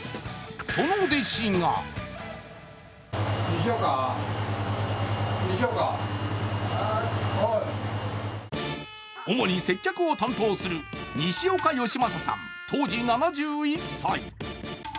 その弟子が主に接客を担当する西岡善正さん、当時７１歳。